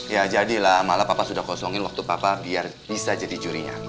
ya jadilah malah papa sudah kosongin waktu papa biar bisa jadi jurinya